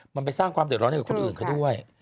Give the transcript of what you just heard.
มันไปสร้างความเดือดร้อนให้กับคนอื่นเขาด้วย